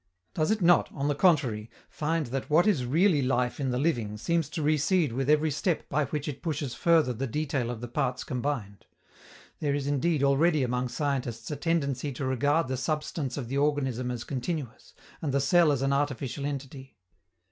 Does it not, on the contrary, find that what is really life in the living seems to recede with every step by which it pushes further the detail of the parts combined? There is indeed already among scientists a tendency to regard the substance of the organism as continuous, and the cell as an artificial entity.